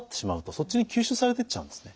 そっちに吸収されていっちゃうんですね。